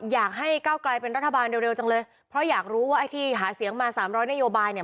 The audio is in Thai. อยากให้ก้าวกลายเป็นรัฐบาลเร็วจังเลยเพราะอยากรู้ว่าไอ้ที่หาเสียงมาสามร้อยนโยบายเนี่ย